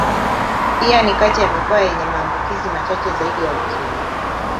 Pia ni kati ya mikoa yenye maambukizi machache zaidi ya Ukimwi.